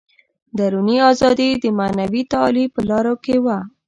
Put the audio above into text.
دروني ازادي د معنوي تعالي په لارو کې وه.